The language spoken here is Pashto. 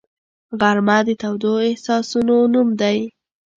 غرمه د تودو احساسونو نوم دی